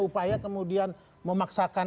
upaya kemudian memaksakan